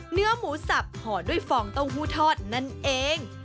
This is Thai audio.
เนื้อหมูสับห่อด้วยฟองเต้าหู้ทอดนั่นเอง